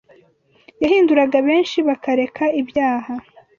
yahinduraga benshi bakareka ibyaha